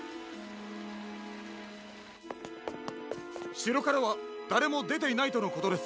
しろからはだれもでていないとのことです。